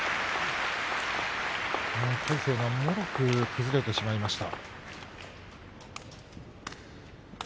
魁聖がもろく崩れてしまいました。